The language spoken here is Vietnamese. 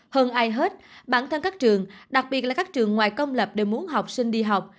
hơn ai hết bản thân các trường đặc biệt là các trường ngoài công lập đều muốn học sinh đi học